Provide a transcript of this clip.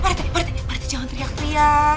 pak rete pak rete pak rete jangan teriak teriak